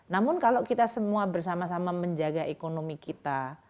namun kalau kita semua bersama sama menjaga ekonomi kita